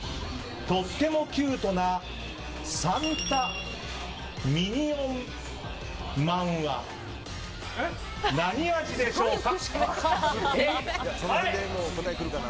とってもキュートなサンタ・ミニオンまんは何味でしょうか。